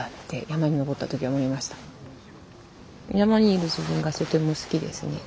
山にいる自分がとても好きですねうん。